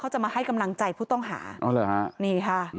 เขาจะให้กำลังใจผู้ต้องหาเหรอฮะนี่ค่ะ